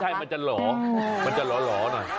ใช่มันจะหล่อมันจะหล่อหน่อย